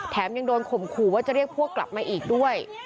ยังโดนข่มขู่ว่าจะเรียกพวกกลับมาอีกด้วย